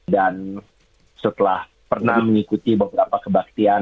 dan setelah pernah mengikuti beberapa kebaktian